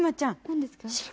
何ですか？